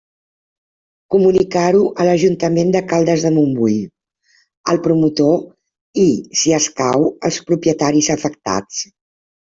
Comunicar-ho a l'Ajuntament de Caldes de Montbui, al promotor i, si escau, als propietaris afectats.